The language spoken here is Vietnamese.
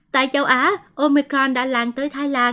tại châu á omicron đã lan tới thái lan